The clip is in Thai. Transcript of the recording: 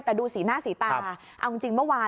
แต่ดูสีหน้าสีตาเอาจริงเมื่อวาน